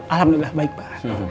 alhamdulillah baik pak